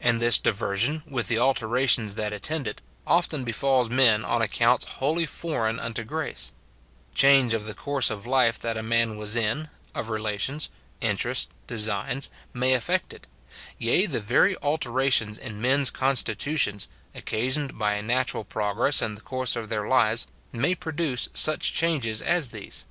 And this diversion, with the alterations that attend it, often befalls men on ac counts wholly foreign unto grace : change of the course of life that a man was in, of relations, interests, designs, may effect it ; yea, the very alterations in men's consti tutions, occasioned by a natural progress in the course of their lives, may produce such changes as these.